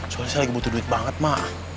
soalnya saya lagi butuh duit banget mah